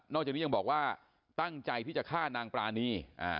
จากนี้ยังบอกว่าตั้งใจที่จะฆ่านางปรานี